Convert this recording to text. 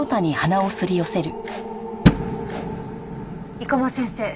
生駒先生